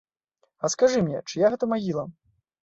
А скажы мне, чыя гэта магіла?